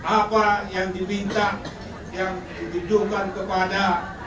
apa yang dipinta yang ditunjukkan kepada